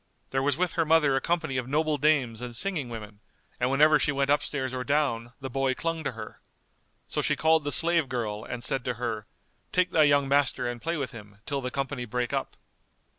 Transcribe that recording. There was with her mother a company of noble dames and singing women, and whenever she went upstairs or down, the boy clung to her. So she called the slave girl and said to her, "Take thy young master and play with him, till the company break up."